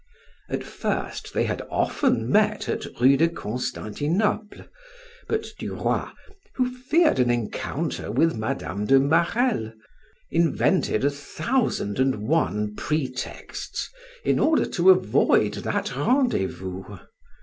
At first they had often met at Rue de Constantinople, but Du Roy, who feared an encounter with Mme. de Marelle, invented a thousand and one pretexts in order to avoid that rendezvous.